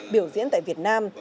biểu diễn tại việt nam